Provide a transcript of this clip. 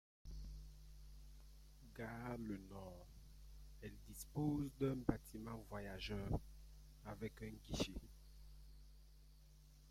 Gare LeNord, elle dispose d'un bâtiment voyageurs, avec un guichet.